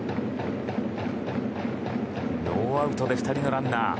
ノーアウトで２人のランナー。